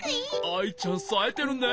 アイちゃんさえてるね。